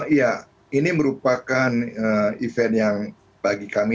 iya ini merupakan event yang bagi kami